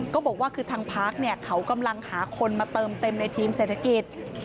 บอกว่าคือทางพักเขากำลังหาคนมาเติมเต็มในทีมเศรษฐกิจ